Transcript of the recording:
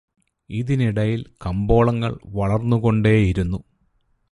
ഇതിനിടയിൽ കമ്പോളങ്ങൾ വളർന്നുകൊണ്ടേയിരുന്നു.